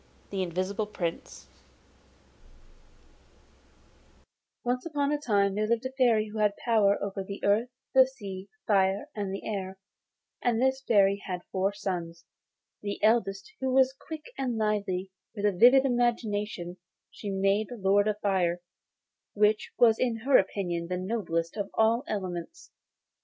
THE INVISIBLE PRINCE Once upon a time there lived a Fairy who had power over the earth, the sea, fire, and the air; and this Fairy had four sons. The eldest, who was quick and lively, with a vivid imagination, she made Lord of Fire, which was in her opinion the noblest of all the elements.